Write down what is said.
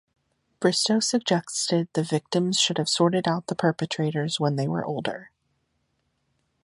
Bristow suggested the victims should have sorted out the perpetrators when they were older.